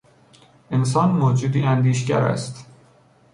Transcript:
انسان موجودی اندیشگر است.